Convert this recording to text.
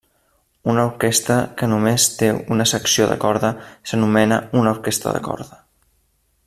Una orquestra que només té una secció de corda s'anomena una orquestra de corda.